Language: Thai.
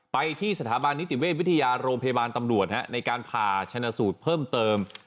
ไปที่สถาบันนิติเวชวิทยาโรงพยาบาลตำรวจในการผ่าชนะสูตรเพิ่มเติม